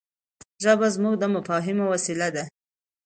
ژبه زموږ د مفاهيمي وسیله ده.